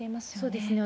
そうですね。